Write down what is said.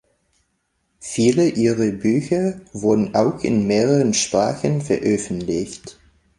Viele ihrer Bücher wurden auch in mehreren Sprachen veröffentlicht.